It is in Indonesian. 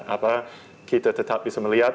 apa kita tetap bisa melihat